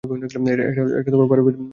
একটা পারিবারিক অনুষ্ঠান ছিল।